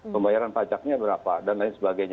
pembayaran pajaknya berapa dan lain sebagainya